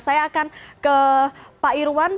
saya akan ke pak irwan